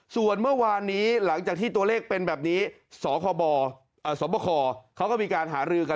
ส่วนเมื่อวานนี้หลังจากที่ตัวเลขเป็นแบบนี้สคบสบคเขาก็มีการหารือกัน